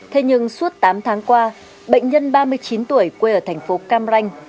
thế nhưng suốt tám tháng qua bệnh nhân ba mươi chín tuổi quê ở thành phố cam ranh